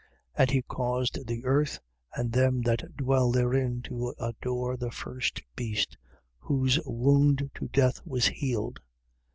And he caused the earth and them that dwell therein to adore the first beast, whose wound to death was healed.